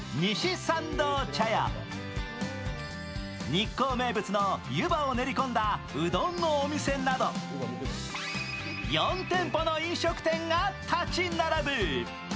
日光名物の湯波を練り込んだうどんのお店など、４店舗の飲食店が立ち並ぶ。